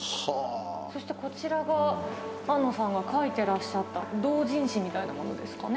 そしてこちらが庵野さんが描いてらっしゃった同人誌みたいなものですかね。